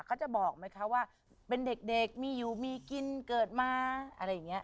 เขาจะบอกไหมคะว่าเป็นเด็กมีอยู่มีกินเกิดมาอะไรอย่างนี้